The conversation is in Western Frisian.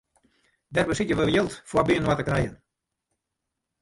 Dêr besykje we jild foar byinoar te krijen.